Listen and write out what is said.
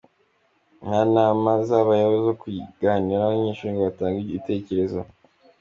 Nta nama zabayeho zo kuganira n’abanyeshuri ngo batange ibitekerezo.